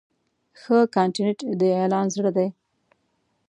ښه کانټینټ د اعلان زړه دی.